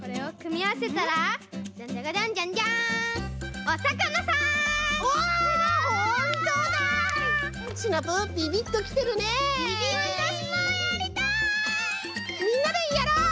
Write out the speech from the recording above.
みんなでやろう！